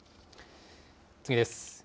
次です。